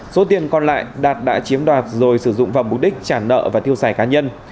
số tiền còn lại đạt đã chiếm đoạt rồi sử dụng vào mục đích trả nợ và tiêu xài cá nhân